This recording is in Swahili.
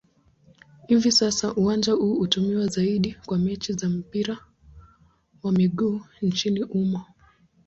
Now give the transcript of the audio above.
Hivi sasa uwanja huu hutumiwa zaidi kwa mechi za mpira wa miguu nchini humo.